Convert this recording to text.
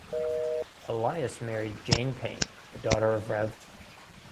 Elias married Jane Payn the daughter of Rev.